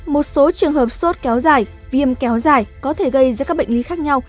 một số trường hợp sốt kéo dài viêm kéo dài có thể gây ra các bệnh lý khác nhau